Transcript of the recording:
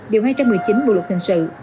điều hai trăm một mươi chín bộ luật hình sự